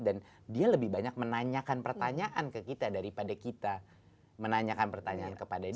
dan dia lebih banyak menanyakan pertanyaan ke kita daripada kita menanyakan pertanyaan kepada dia